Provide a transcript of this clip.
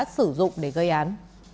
sử dụng để gây án